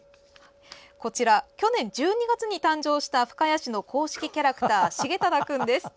こちら、去年１２月に誕生した深谷市の公式キャラクター「しげただくん」です。